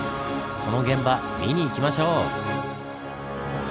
その現場見に行きましょう！